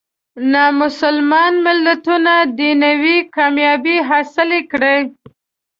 نامسلمان ملتونه دنیوي کامیابۍ حاصلې کړي.